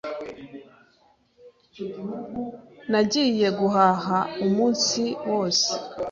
Nagiye guhaha umunsi wose.